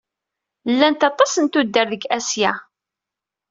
Llant aṭas n tuddar deg Asya.